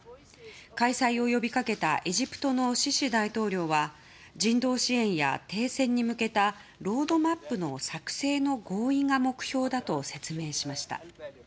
開催を呼びかけたエジプトのシシ大統領は人道支援や停戦に向けたロードマップの作成の合意が目標だと説明しました。